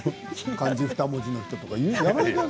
漢字２文字の人とかいうの。